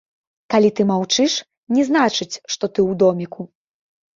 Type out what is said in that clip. Калі ты маўчыш, не значыць, што ты ў доміку.